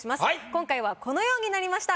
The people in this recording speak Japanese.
今回はこのようになりました。